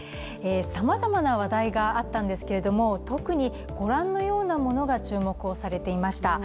さまざまな話題があったんですけれども、特に御覧のようなものが注目をされていました。